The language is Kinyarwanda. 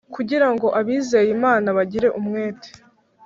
kugira ngo abizeye Imana bagire umwete